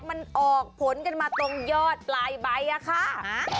มันออกผลกันมาตรงยอดปลายใบอะค่ะ